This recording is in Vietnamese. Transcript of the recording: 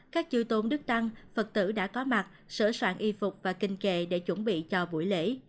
các chư tôn đức tăng phật tử đã có mặt sở soạn y phục và kinh kề để chuẩn bị cho buổi lễ